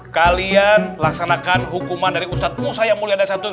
kalian laksanakan hukuman dari ustadz musa yang mulia dan satu